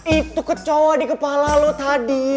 itu ke cowok di kepala lu tadi